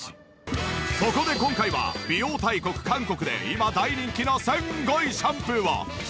そこで今回は美容大国韓国で今大人気のすんごいシャンプーを。